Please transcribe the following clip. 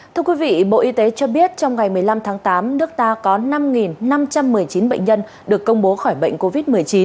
thưa quý vị bộ y tế cho biết trong ngày một mươi năm tháng tám nước ta có năm năm trăm một mươi chín bệnh nhân được công bố khỏi bệnh covid một mươi chín